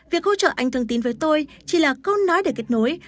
việc hỗ trợ anh thương tín với tôi chỉ là câu nói để kết nối